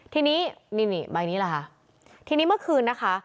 ทีนี้นี่ใบนี้แหละค่ะทีนี้เมื่อคืนนะคะ